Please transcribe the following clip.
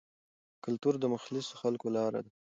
کلتور د مخلصو خلکو لاره ده.